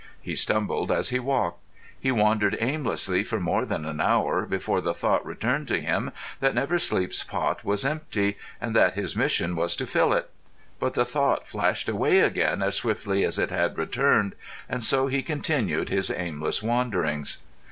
He stumbled as he walked. He wandered aimlessly for more than an hour before the thought returned to him that Never Sleep's pot was empty, and that his mission was to fill it. But the thought flashed away again as swiftly as it had returned, and so he continued his aimless wanderings.